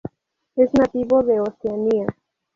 Es nativo de Oceanía.